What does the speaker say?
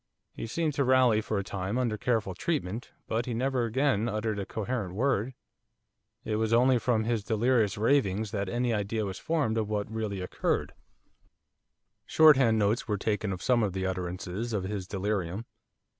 He seemed to rally for a time under careful treatment, but he never again uttered a coherent word. It was only from his delirious ravings that any idea was formed of what had really occurred. Shorthand notes were taken of some of the utterances of his delirium.